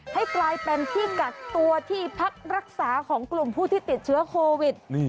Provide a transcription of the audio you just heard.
ให้กลายเป็นที่กักตัวที่พักรักษาของกลุ่มผู้ที่ติดเชื้อโควิด